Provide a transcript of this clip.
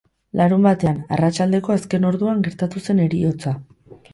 Larunbatean, arratsaldeko azken orduan, gertatu zen heriotza.